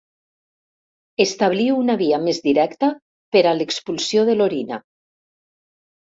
Establir una via més directa per a l'expulsió de l'orina.